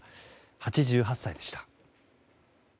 ８８歳でした。